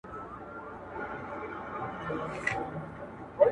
پرون یې بیا له هغه ښاره جنازې وایستې!!